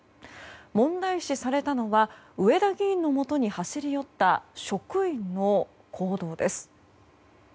問題視されたのは上田議員のもとに走り寄った職員の行動です。